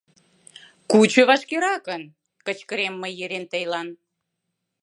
Кучо вашкеракын! — кычкырем мый Ерентелан.